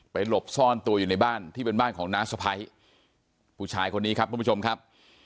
หลบซ่อนตัวอยู่ในบ้านที่เป็นบ้านของน้าสะพ้ายผู้ชายคนนี้ครับทุกผู้ชมครับ